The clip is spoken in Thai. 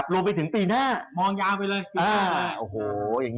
รวมไปถึงปีหน้า